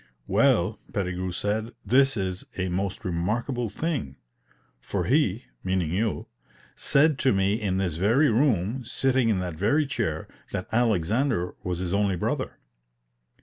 'Well,' Pettigrew said, 'this is a most remarkable thing; for he,' meaning you, 'said to me in this very room, sitting in that very chair, that Alexander was his only brother.'